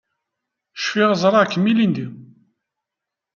Cfiɣ ẓriɣ-kem ilindi.